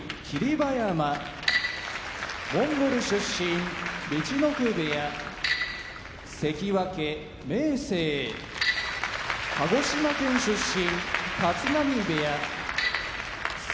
馬山モンゴル出身陸奥部屋関脇・明生鹿児島県出身立浪部屋関脇・御嶽海